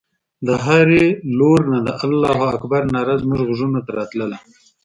د هرې لور نه د الله اکبر ناره زموږ غوږو ته راتلله.